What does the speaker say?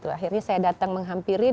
akhirnya saya datang menghampirin